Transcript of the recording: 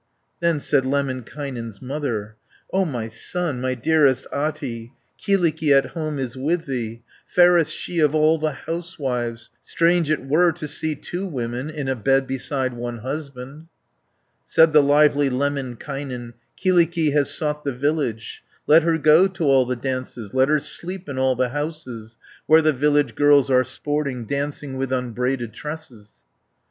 Then said Lemminkainen's mother, "O my son, my dearest Ahti, Kyllikki at home is with thee, Fairest she of all the housewives. 120 Strange it were to see two women In a bed beside one husband." Said the lively Lemminkainen, "Kyllikki has sought the village. Let her go to all the dances, Let her sleep in all the houses, Where the village girls are sporting, Dancing with unbraided tresses."